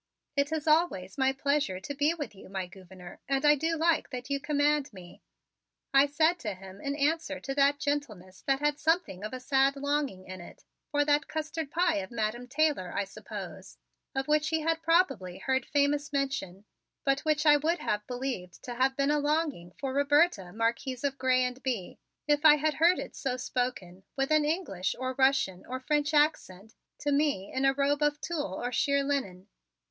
"It is always my pleasure to be with you, my Gouverneur, and I do like that you command me," I said to him in answer to that gentleness that had something of a sad longing in it for that custard pie of Madam Taylor, I suppose, of which he had probably heard famous mention, but which I would have believed to have been a longing for Roberta, Marquise of Grez and Bye, if I had heard it so spoken, with an English or Russian or French accent, to me in a robe of tulle or sheer linen.